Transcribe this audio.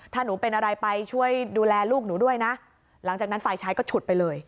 ถ้าหนูเป็นอะไรไปช่วยดูแลลูกหนูด้วยนะหลังจากนั้นฝ่ายชายก็ฉุดไปเลย